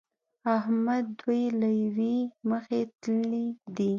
احمد دوی له يوې مخې تللي دي.